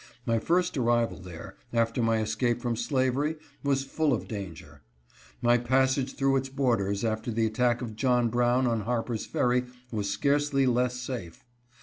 My first arrival there, after my escape from slavery, was full of danger. My passage through its borders after the attack of John Brown on Harper's Ferry was scarcely less safe.